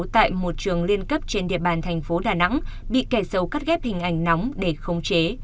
tại một trường liên cấp trên địa bàn thành phố đà nẵng bị kẻ sâu cắt ghép hình ảnh nóng để khống chế